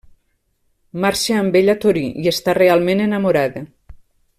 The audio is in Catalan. Marxa amb ell a Torí i està realment enamorada.